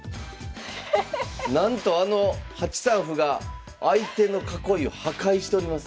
なんとあの８三歩が相手の囲いを破壊しております。